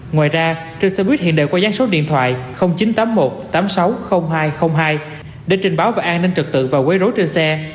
ngoài ra trên xe bus hiện đều có gián số điện thoại chín trăm tám mươi một tám trăm sáu mươi nghìn hai trăm linh hai để trình báo về an ninh trực tự và quấy rối trên xe